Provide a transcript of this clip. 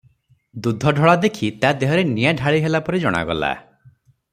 ଦୁଧ ଢଳା ଦେଖି ତା ଦେହରେ ନିଆଁ ଢାଳି ହେଲାପରି ଜଣାଗଲା ।